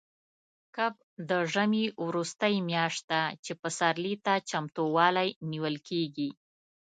کب د ژمي وروستۍ میاشت ده، چې پسرلي ته چمتووالی نیول کېږي.